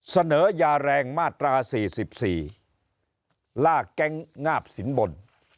เสนอยาแรงมาตรา๔๔ลากแก๊งงาบสินบน